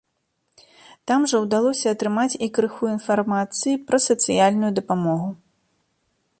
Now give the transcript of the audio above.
Там жа ўдалося атрымаць і крыху інфармацыі пра сацыяльную дапамогу.